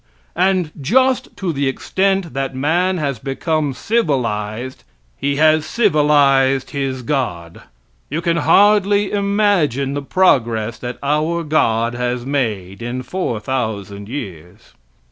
And just to the extent that man has become civilized, he has civilized his god. You can hardly imagine the progress that our God has made in four thousand years.